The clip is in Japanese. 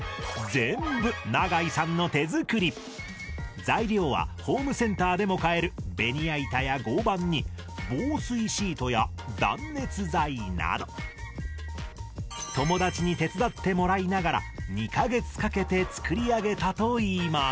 全部材料はホームセンターでも買えるベニヤ板や合板に防水シートや断熱材など友達に手伝ってもらいながら２か月かけて作り上げたといいます